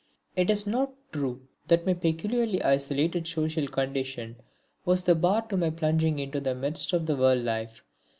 It is not true that my peculiarly isolated social condition was the bar to my plunging into the midst of the world life.